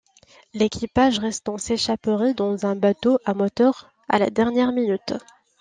L'équipage restant s'échapperait dans un bateau à moteur à la dernière minute.